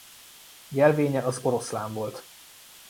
Jelvénye az oroszlán volt.